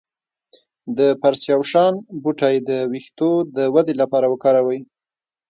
د پرسیاوشان بوټی د ویښتو د ودې لپاره وکاروئ